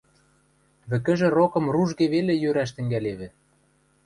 Вӹкӹжӹ рокым ружге веле йӧрӓш тӹнгӓлевӹ.